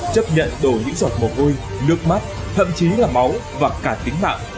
chấp nhận đồ những giọt mồ hôi nước mắt thậm chí là máu và cả tính mạng